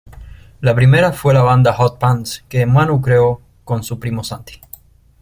La primera fue la banda Hot Pants, que Manu creo con su primo Santi.